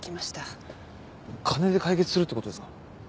金で解決するってことですか？